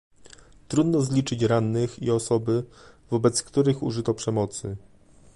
Trudno zliczyć rannych i osoby, wobec których użyto przemocy